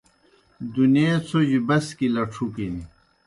دُنیے څھوْجیْ بسکیْ لڇُھکِن